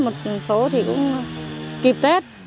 một số thì cũng kịp tết